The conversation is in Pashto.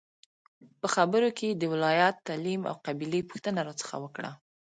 په خبرو کې یې د ولایت، تعلیم او قبیلې پوښتنه راڅخه وکړه.